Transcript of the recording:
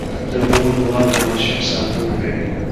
د مور دعا د ماشوم ساتنه کوي.